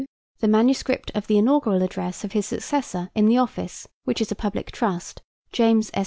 The manuscript of the inaugural address of his successor in the office, which is a public trust, James S.